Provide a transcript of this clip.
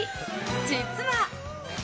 実は。